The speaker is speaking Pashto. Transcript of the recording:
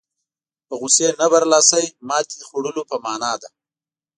په غوسې نه برلاسي ماتې خوړلو په معنا ده.